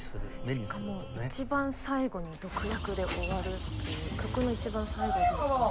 しかも一番最後に毒薬で終わるという曲の一番最後ですから。